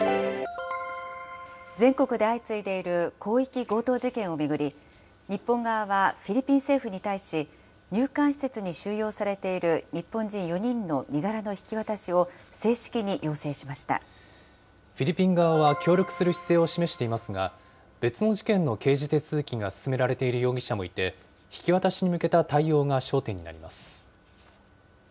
全国で相次いでいる広域強盗事件を巡り、日本側はフィリピン政府に対し、入管施設に収容されている日本人４人の身柄の引き渡しを正式に要フィリピン側は協力する姿勢を示していますが、別の事件の刑事手続きが進められている容疑者もいて、引き渡しに向けた対応が焦点になります。